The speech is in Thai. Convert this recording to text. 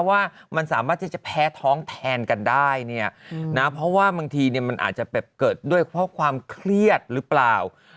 ว่ามันสามารถที่จะแพ้ท้องแทนกันได้เนี่ยนะเพราะว่าบางทีเนี่ยมันอาจจะแบบเกิดด้วยเพราะความเครียดหรือเปล่า